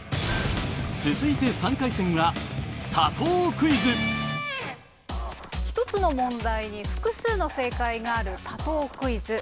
続いて３回戦は一つの問題に複数の正解がある多答クイズ。